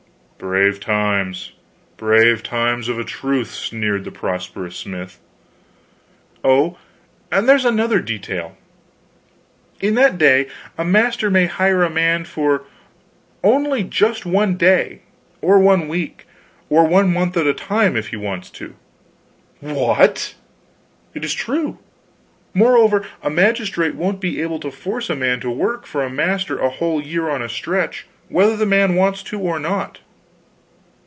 "Brave times, brave times, of a truth!" sneered the prosperous smith. "Oh, and there's another detail. In that day, a master may hire a man for only just one day, or one week, or one month at a time, if he wants to." "What?" "It's true. Moreover, a magistrate won't be able to force a man to work for a master a whole year on a stretch whether the man wants to or not."